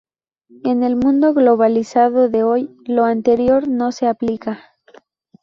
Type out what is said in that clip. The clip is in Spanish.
En el mundo globalizado de hoy lo anterior no se aplica.